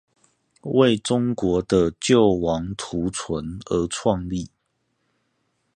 為中國的救亡圖存而創立